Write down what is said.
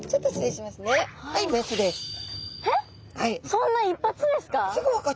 そんな一発ですか？